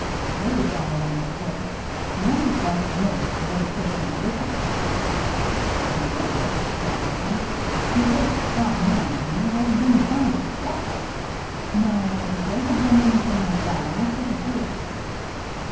" They've gone along, of course. The only question is, did they take him with 'em ?"" How could they ?" said Wilson. " He is a strong man, and there wasn't any sound of a scuffle. No, if there had been anything like that, I should have heard it."